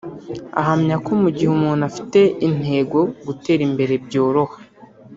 ahamya ko mu gihe umuntu afite intego gutera imbere byoroha